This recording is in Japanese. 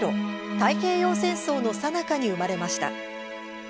太平洋戦争のさなかに生まれました。